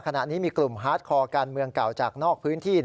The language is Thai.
ขณะนี้มีกลุ่มฮาร์ดคอร์การเมืองเก่าจากนอกพื้นที่